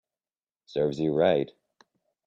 Serves you right